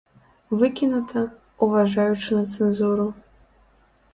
Выкінута, уважаючы на цэнзуру.